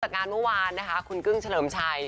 งานเมื่อวานนะคะคุณกึ้งเฉลิมชัย